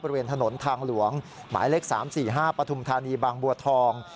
บริเวณถนนทางหลวงหมายเลข๓๔๕ปฐุมธานีบางบัวทอง